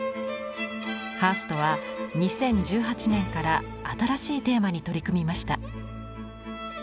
ハーストは２０１８年から新しいテーマに取り組みました。